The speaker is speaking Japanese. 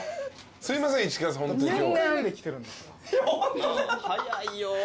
すいません市川さんホントに今日。